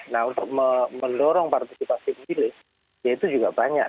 nah untuk mendorong partisipasi pemilih ya itu juga banyak